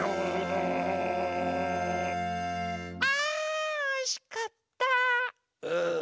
あおいしかった！